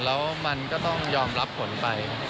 แล้วมันก็ต้องยอมรับผลไป